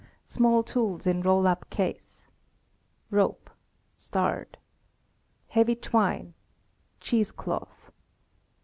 Small tools in roll up case. "'^ *Rope. Heavy twine. Cheese cloth.